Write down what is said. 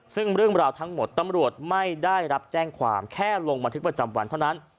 ซึ่งเรื่องราวทั้งหมดตำรวจไม่ได้รับแจ้งความแค่ลงบันทึกประจำวันเท่านั้น